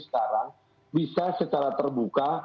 sekarang bisa secara terbuka